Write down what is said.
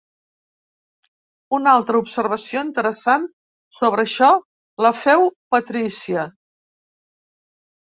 Una altra observació interessant sobre això la feu Patrícia.